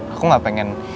aku gak pengen